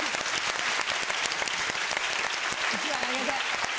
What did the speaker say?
１枚あげて。